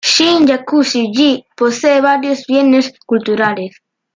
Shin-Yakushi-ji posee varios bienes culturales.